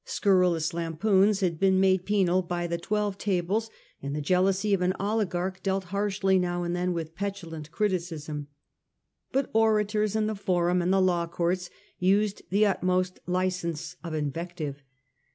Scurrilous lampoons had been made penal by the Twelve of speech"' Tables, and the jealousy of an oligarchy dealt and writing, harshly now and then with petulant criticism. But orators in the Forum and the law courts used the utmost license of invective.